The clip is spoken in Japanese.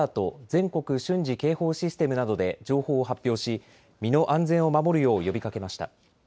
・全国瞬時警報システムなどで情報を発表し身の安全を守るよう呼びかけました。